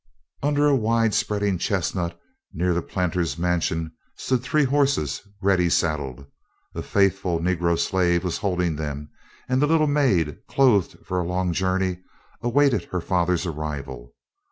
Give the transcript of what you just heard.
Under a wide spreading chestnut near the planter's mansion, stood three horses ready saddled. A faithful negro slave was holding them, and the little maid, clothed for a long journey, awaited her father's arrival.